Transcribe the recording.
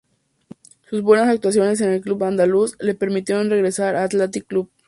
Sus buenas actuaciones en el club andaluz, le permitieron regresar al Athletic Club.